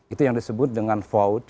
itu yang disebut dengan vote minus voice